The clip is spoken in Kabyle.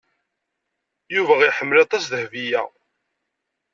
Yuba iḥemmel aṭas Dahbiya.